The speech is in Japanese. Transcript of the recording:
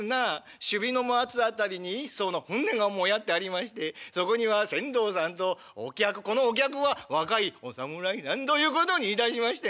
首尾の松辺りにその舟が舫ってありましてそこには船頭さんとお客このお客は若いお侍さんということにいたしましてね